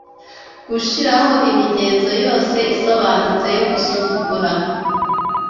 Gushiraho imigenzo yose isobanutse yo gusuzugura